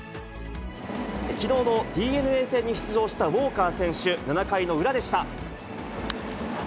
きのうのＤｅＮＡ戦に出場したウォーカー選手、７回の裏でした。